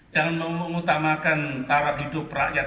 dan mengutamakan tarap hidup rakyat